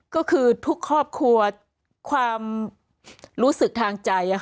ก็คือทุกครอบครัวความรู้สึกทางใจ